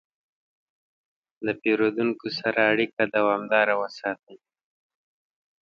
د پیرودونکو سره اړیکه دوامداره وساتئ.